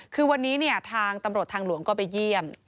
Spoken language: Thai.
คือวันนี้เนี่ยทางตำรวจทางหลวงก็ไปเยี่ยม